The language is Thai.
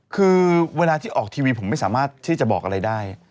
คือเวลาที่ออกทีวีผมไม่สามารถที่จะบอกอะไรได้